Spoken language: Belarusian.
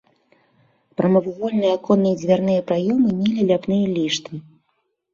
Прамавугольныя аконныя і дзвярныя праёмы мелі ляпныя ліштвы.